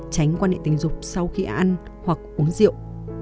tránh quan hệ tình dục sau khi ăn hoặc uống rượu